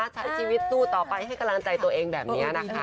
ใช้ชีวิตสู้ต่อไปให้กำลังใจตัวเองแบบนี้นะคะ